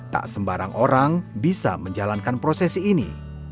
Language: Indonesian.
tak sembarang orang bisa menjalankan prosesi ini